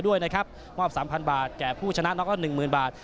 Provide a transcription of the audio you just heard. ด้วยนะครับมอบสามพันบาทแก่ผู้ชนะน็อกเอาหนึ่งหมื่นบาท